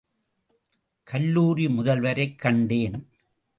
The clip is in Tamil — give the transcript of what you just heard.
கல்லூரி முதல்வரைக் கண்டேன்.